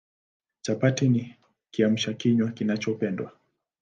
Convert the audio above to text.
Chapati ni Kiamsha kinywa kinachopendwa